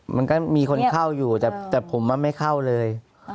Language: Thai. มันก็มีคนเข้าอยู่แต่ผมว่าไม่เข้าเลย